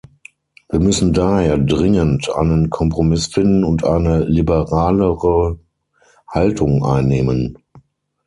Wir müssen daher dringend einen Kompromiss finden und eine liberalere Haltung einnehmen.